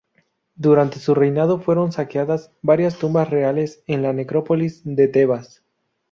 Durante su reinado fueron saqueadas varias tumbas reales en la necrópolis de Tebas.